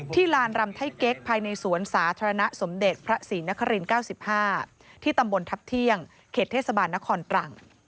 ลานรำไทยเก๊กภายในสวนสาธารณะสมเด็จพระศรีนคริน๙๕ที่ตำบลทัพเที่ยงเขตเทศบาลนครตรัง